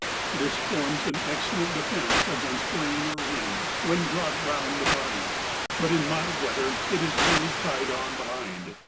This forms an excellent defence against rain or wind, when brought round the body, but in mild weather it is merely tied on behind.